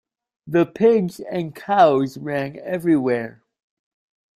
The pigs and cows ran everywhere.